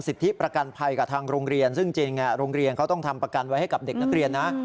ประกันภัยกับทางโรงเรียนซึ่งจริงโรงเรียนเขาต้องทำประกันไว้ให้กับเด็กนักเรียนนะ